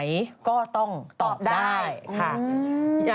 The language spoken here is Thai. สวัสดีค่ะ